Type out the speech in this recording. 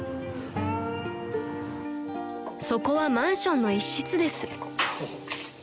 ［そこはマンションの一室です］